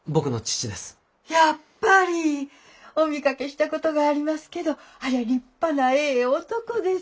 やっぱり！お見かけしたことがありますけどありゃあ立派なええ男です。